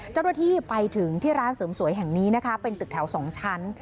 เจ้าหน้าที่ไปถึงที่ร้านเสริมสวยแห่งนี้นะคะเป็นตึกแถว๒ชั้น